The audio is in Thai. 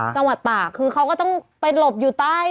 ตากคือเขาก็ต้องไปหลบอยู่ใต้